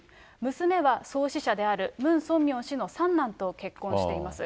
娘は創始者であるムン・ソンミョン氏の三男と結婚しています。